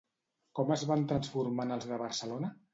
Com es van transformant els de Barcelona?